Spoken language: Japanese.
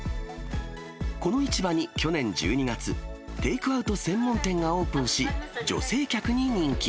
この市場に去年１２月、テイクアウト専門店がオープンし、女性客に人気。